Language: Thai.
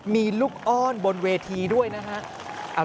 มีลูกอ้อนบนเวทีด้วยนะครับ